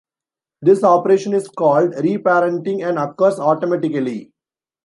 This operation is called "re-parenting" and occurs automatically.